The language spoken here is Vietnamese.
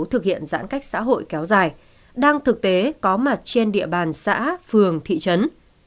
thực hiện giãn cách xã hội kéo dài đang thực tế có mặt trên địa bàn xã phường thị trấn